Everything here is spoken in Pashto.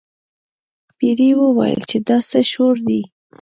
پیري وویل چې دا څه شور دی.